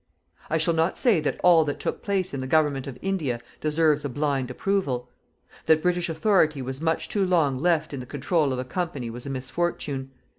I shall not say that all that took place in the government of India deserves a blind approval. That British authority was much too long left in the control of a company was a misfortune.